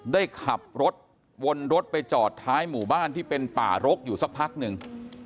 ได้ขับรถวนรถไปจอดท้ายหมู่บ้านที่เป็นป่ารกอยู่สักพักหนึ่ง